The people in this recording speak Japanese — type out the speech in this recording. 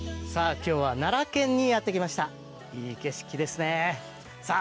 今日は奈良県にやってきましたいい景色ですねさあ